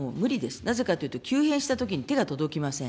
なぜかというと、急変したときに、手が届きません。